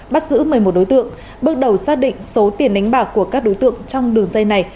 bắt giữ một mươi một đối tượng bước đầu xác định số tiền đánh bạc của các đối tượng trong đường dây này